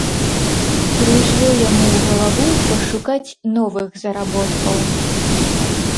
Прыйшло яму ў галаву пашукаць новых заработкаў.